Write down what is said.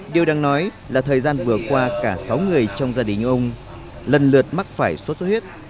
điều đáng nói là thời gian vừa qua cả sáu người trong gia đình ông lần lượt mắc phải sốt xuất huyết